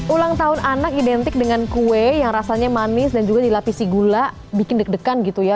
ulang tahun anak identik dengan kue yang rasanya manis dan juga dilapisi gula bikin deg degan gitu ya